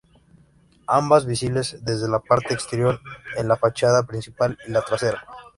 Ambas visibles desde la parte exterior en la fachada principal y la trasera.